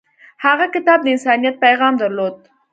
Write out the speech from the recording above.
هغه کتاب د انسانیت پیغام درلود.